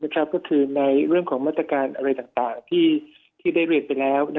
ก็คือในเรื่องของมาตรการอะไรต่างที่ได้เรียนไปแล้ว